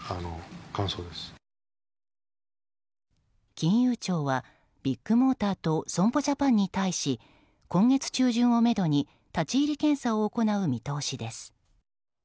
金融庁は、ビッグモーターと損保ジャパンに対し今月中旬をめどに立ち入り検査を行う見通しです。